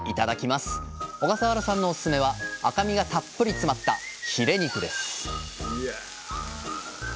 小笠原さんのおすすめは赤身がたっぷり詰まったヒレ肉です